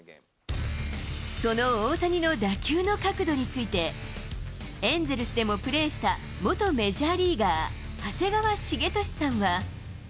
その大谷の打球の角度について、エンゼルスでもプレーした元メジャーリーガー、長谷川滋利さんは。